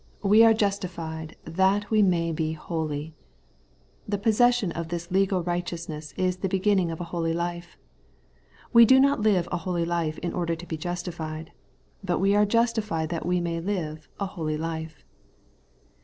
We are justified that we may he holy. The possession of this legal righteousness is the beginning of a holy life. We do not live a holy life in order to be justified ; but we are justified that we may live a holy life.